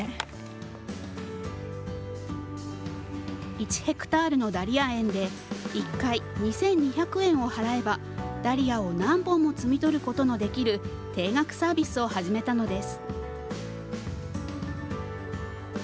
１ヘクタールのダリア園で、１回２２００円を払えば、ダリアを何本も摘み取ることのできる定額サービスを始めたのです。